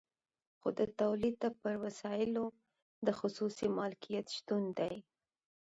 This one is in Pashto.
خو د تولید پر وسایلو د خصوصي مالکیت شتون دی